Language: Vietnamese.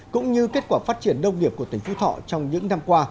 cũng như kết quả phát triển nông nghiệp của tỉnh phú thọ trong những năm qua